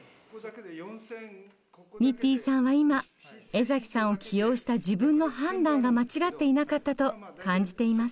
ニッティンさんは今江崎さんを起用した自分の判断が間違っていなかったと感じています。